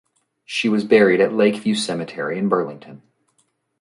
She was buried at Lakeview Cemetery in Burlington.